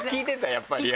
やっぱり話。